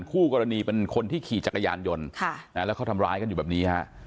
คู่กรณีเป็นคนที่ขี่จักรยานยนต์แล้วเขาทำร้ายกันอยู่แบบนี้ฮะ